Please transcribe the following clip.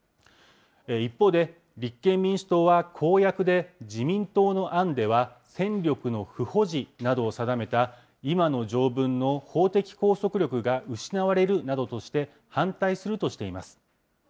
一方で、立憲民主党は公約で自民党の案では戦力の不保持などを定めた今の条文の法的拘束力が失われるなどとして、反対するとしています。